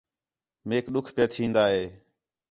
میک ݙُکھ پِیا تِھین٘دا ہِے